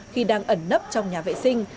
khi đang ẩn nấp trong nhà vệ sinh